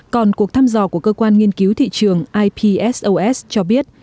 còn cuộc thăm dò của cơ quan nghiên cứu thị trường ipsos cho biết